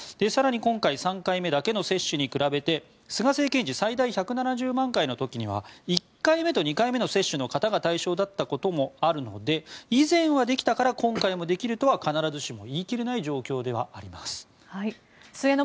更に今回３回目だけの接種に加えて菅政権時最大１７０万回の時には１回目と２回目の接種の方が対象だったこともあるので以前はできたから今回もできるとは必ずしも言い切れない状況ではあります。